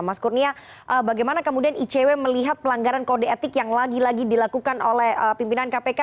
mas kurnia bagaimana kemudian icw melihat pelanggaran kode etik yang lagi lagi dilakukan oleh pimpinan kpk